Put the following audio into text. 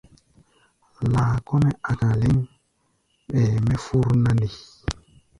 Laa kɔ́-mɛ́ a̧ka̧ léŋ, ɓɛɛ mɛ fur na nde?